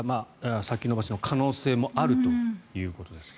先延ばしの可能性もあるということですが。